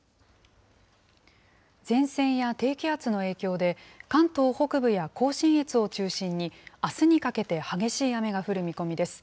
前線や低気圧の影響で、関東北部や甲信越を中心に、あすにかけて激しい雨が降る見込みです。